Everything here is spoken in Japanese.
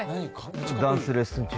ダンスレッスン中？